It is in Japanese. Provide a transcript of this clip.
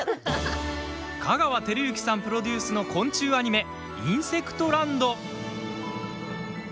香川照之さんプロデュースの昆虫アニメ「インセクトランド」。